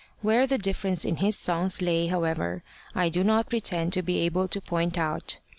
Where the difference in his songs lay, however, I do not pretend to be able to point out.